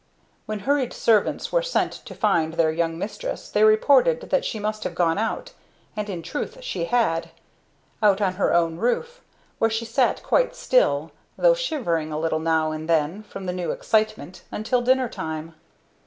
When hurried servants were sent to find their young mistress they reported that she must have gone out, and in truth she had; out on her own roof, where she sat quite still, though shivering a little now and then from the new excitement, until dinner time.